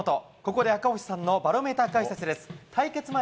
ここで赤星さんのバロメーター解説です。